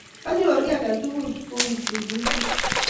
konyor kiiy age tugul kowirchini gutit